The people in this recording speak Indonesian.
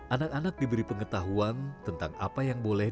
anak anak diberi pengetahuan tentang apa yang boleh